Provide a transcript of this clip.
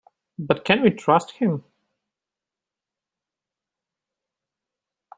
But can we trust him?